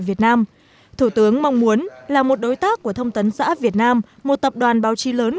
việt nam thủ tướng mong muốn là một đối tác của thông tấn xã việt nam một tập đoàn báo chí lớn